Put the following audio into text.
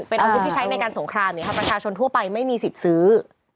เป็นอาวุธที่ใช้ในการสงครามประชาชนทั่วไปไม่มีสิทธิ์ซื้อ